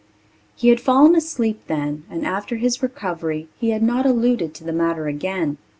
He had fallen asleep then and after his recovery he had not alluded to the matter again.